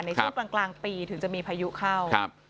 ในช่วงกลางปีถึงจะมีพายุเข้า